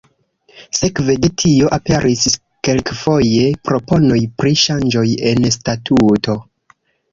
Sekve de tio aperis kelkfoje proponoj pri ŝanĝoj en statuto.